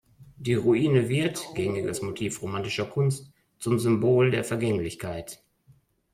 Die Ruine wird, gängiges Motiv romantischer Kunst, zum Symbol der Vergänglichkeit.